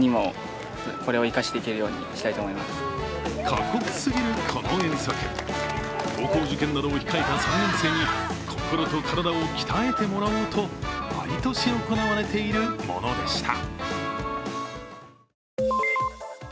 過酷すぎるこの遠足、高校受験などを控えた３年生に、心と体を鍛えてもらおうと毎年行われているものでした。